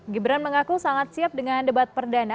gibran mengaku sangat siap dengan debat perdana